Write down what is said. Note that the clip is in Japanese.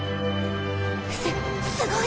すすごい。